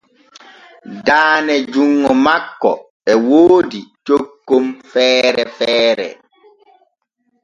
Daane junŋo makko e woodi cokkon feere feere.